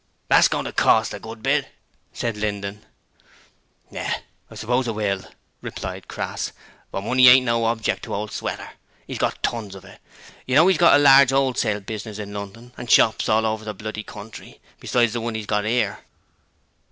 'That's goin' to cost a good bit,' said Linden. 'Yes, I suppose it will,' replied Crass, 'but money ain't no object to old Sweater. 'E's got tons of it; you know 'e's got a large wholesale business in London and shops all over the bloody country, besides the one 'e's got 'ere.'